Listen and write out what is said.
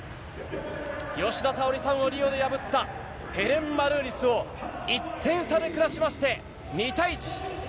吉田沙保里さんをリオで破ったヘレン・マルーリスを１点差で下しまして、２対１。